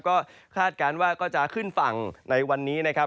ก็คาดการณ์ว่าก็จะขึ้นฝั่งในวันนี้นะครับ